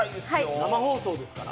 生放送ですから。